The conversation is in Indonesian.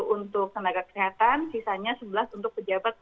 delapan ratus sembilan puluh satu untuk tenaga kesehatan sisanya sebelas untuk pejabat